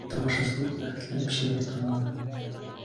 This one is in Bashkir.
Тамашасылар рәхәтләнеп шиғыр тыңланы.